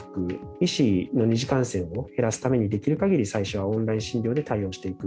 医師の２次感染を減らすためにできる限り最初はオンライン診療で対応していく。